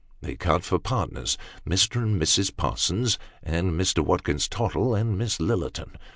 They cut for partners Mr. and Mrs. Parsons; and Mr. Watkins Tottle and Miss Lillerton.